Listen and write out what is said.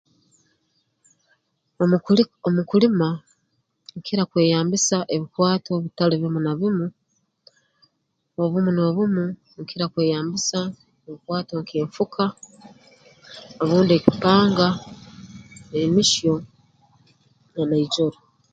Omu kuli omu kulima nkira kweyambisa ebikwatwa ebitali bimu na bimu obumu n'obumu nkira kweyambisa ebikwatwa nk'enfuka obundi ekipanga n'emihyo na naijoro